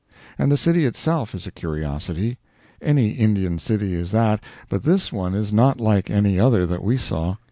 And the city itself is a curiosity. Any Indian city is that, but this one is not like any other that we saw.